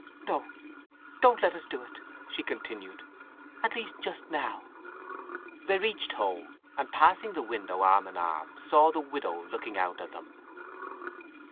"No—don't let's do it," she continued. "At least, just now." They reached home, and passing the window arm in arm saw the widow looking out at them.